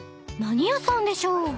［何屋さんでしょう？］